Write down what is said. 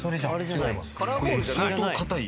違います。